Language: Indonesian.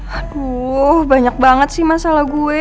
aduh banyak banget sih masalah gue